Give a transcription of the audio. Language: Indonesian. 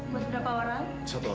buat berapa orang